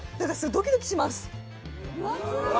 ドキドキします。